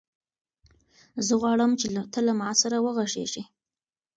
زه غواړم چې ته له ما سره وغږېږې.